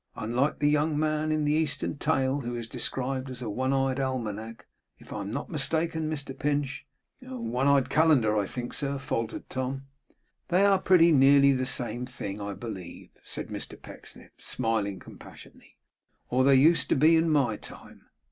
Unlike the young man in the Eastern tale who is described as a one eyed almanac, if I am not mistaken, Mr Pinch? ' 'A one eyed calender, I think, sir,' faltered Tom. 'They are pretty nearly the same thing, I believe,' said Mr Pecksniff, smiling compassionately; 'or they used to be in my time.